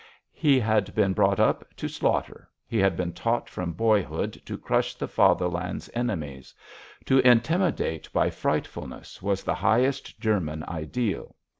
He had been brought up to slaughter; he had been taught from boyhood to crush the Fatherland's enemies. To intimidate by frightfulness was the highest German ideal.